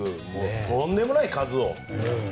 とんでもない数を。